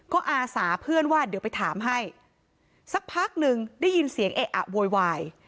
ก็อาสาเพื่อนว่าเดี๋ยวไปถามให้สักพักหนึ่งได้ยินเสียงเอะอะโวยวาย